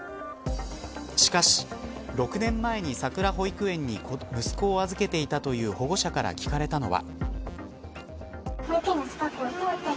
しかし、６年間にさくら保育園に息子を預けていたという保護者から聞かれたのは。